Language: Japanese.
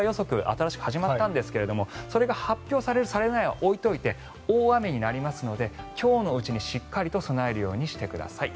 新しく始まったんですがそれが発表されるされないは置いておいて大雨になりますので今日のうちにしっかりと備えるようにしてください。